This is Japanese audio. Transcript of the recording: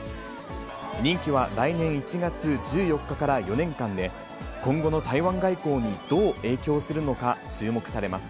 任期は来年１月１４日から４年間で、今後の台湾外交にどう影響するのか、注目されます。